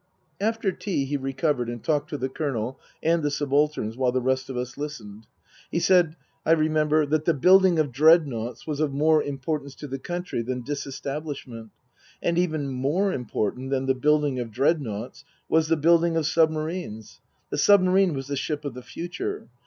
After tea he recovered and talked to the Colonel and the subalterns while the rest of us listened. He said, I remember, that the building of Dreadnoughts was of more importance to the country than Disestablishment. And even more important than the building of Dreadnoughts was the building of submarines. The submarine was the ship of the future.